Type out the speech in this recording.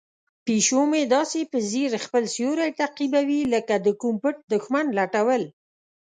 پیشو مې داسې په ځیر خپل سیوری تعقیبوي لکه د کوم پټ دښمن لټول.